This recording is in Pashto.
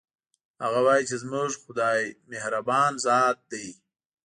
هغه وایي چې زموږ خدایمهربان ذات ده